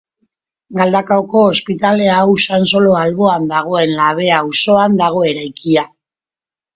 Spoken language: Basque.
Galdakaoko Ospitalea Usansolo alboan dagoen Labea auzoan dago eraikia.